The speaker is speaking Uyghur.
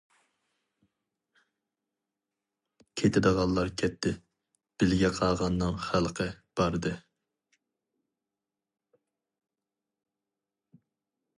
كېتىدىغانلار كەتتى، بىلگە قاغاننىڭ خەلقى. باردى.